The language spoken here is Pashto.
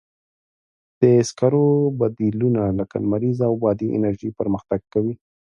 د سکرو بدیلونه لکه لمریزه او بادي انرژي پرمختګ کوي.